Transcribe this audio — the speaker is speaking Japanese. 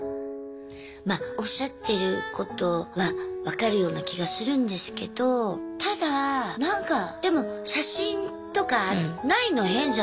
まおっしゃってることは分かるような気がするんですけどただなんかでも写真とかないの変じゃないすかだって０から３まで。